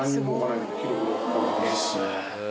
いいっすね。